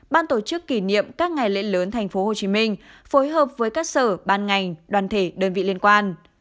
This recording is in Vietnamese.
ban tổ chức kỷ niệm các ngày lễ lớn tp hcm phối hợp với các sở ban ngành đoàn thể đơn vị liên quan